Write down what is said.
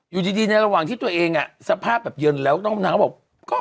อยู่ดีในระหว่างที่ตัวเองสภาพแบบเย็นแล้วนางก็บอก